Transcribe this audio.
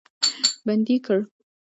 بندي کړ.